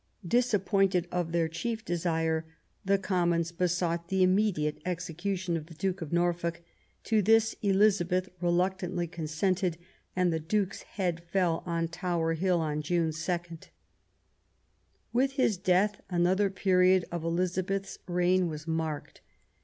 Disap pointed of their chief desire, the Commons besought the immediate execution of the Duke of Norfolk. To this Elizabeth reluctantly consented, and the Duke's head fell on Tower Hill on June 2. With his death another period of Elizabeth's reign was marked.